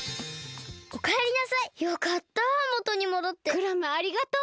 クラムありがとう！